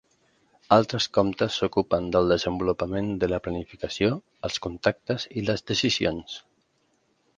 Altres comptes s'ocupen del desenvolupament de la planificació, els contactes i les decisions.